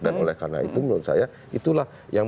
oleh karena itu menurut saya itulah yang